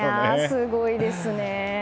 すごいですよね。